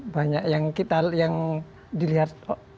banyak yang kita yang dilihat